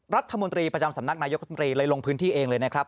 รัฐมนตรีประจำสำนักนายกรัฐมนตรีเลยลงพื้นที่เองเลยนะครับ